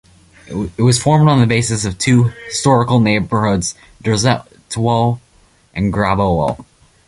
It was formed on the basis of two, historical neighborhoods - Drzetowo and Grabowo.